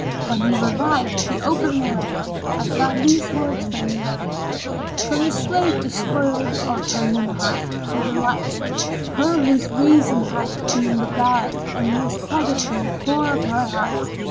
When he revived he opened the letter and found these words written therein: "From the slave despoiled of her Ni'amah, her delight; her whose reason hath been beguiled and who is parted from the core of her heart.